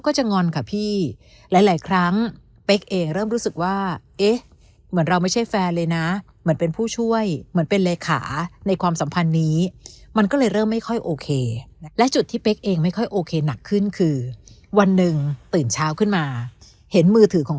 ก็จะงอนกับพี่หลายครั้งเริ่มรู้รู้สึกว่าเอ๊ะเหมือน